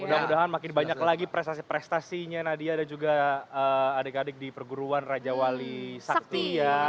mudah mudahan makin banyak lagi prestasi prestasinya nadia dan juga adik adik di perguruan raja wali sakti ya